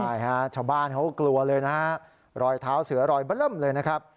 ใช่ฮะชาวบ้านเขากลัวเลยนะฮะรอยเท้าเสือรอยเบล่มเลยนะครับ